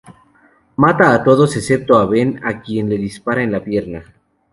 Mata a todos excepto a Ben, a quien le dispara en la pierna.